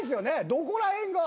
どこら辺が。